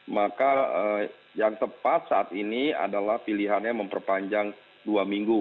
maka yang tepat saat ini adalah pilihannya memperpanjang dua minggu